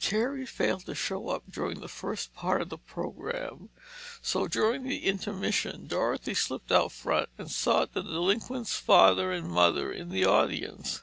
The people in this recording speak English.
Terry failed to show up during the first part of the program, so during the intermission, Dorothy slipped out front and sought the delinquent's father and mother in the audience.